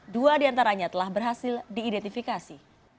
dua diantaranya telah berhasil diidentifikasi